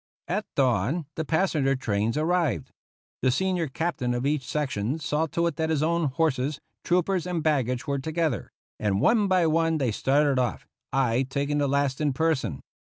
At dawn the passenger trains arrived. The sen ior Captain of each section saw to it that his own horses, troopers, and baggage were together; and one by one they started off, I taking the last in person.